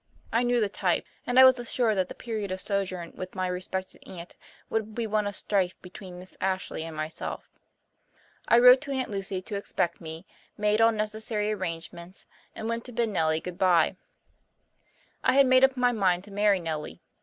I knew the type, and I was assured that the period of sojourn with my respected aunt would be one of strife between Miss Ashley and myself. I wrote to Aunt Lucy to expect me, made all necessary arrangements, and went to bid Nellie goodbye. I had made up my mind to marry Nellie.